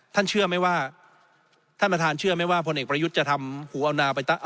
ท่านเชื่อไหมว่าท่านประธานเชื่อไหมว่าพเอกประยุทธ์จะทำ